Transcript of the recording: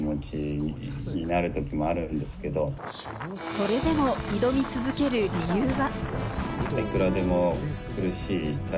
それでも挑み続ける理由は。